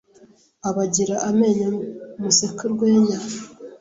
abagira amenyo museke urwenya